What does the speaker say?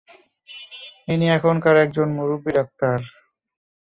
ইনি এখানকার একজন মুরুব্বী ডাক্তার।